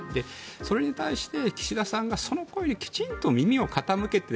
それに対して岸田さんがその声にきちんと耳を傾けて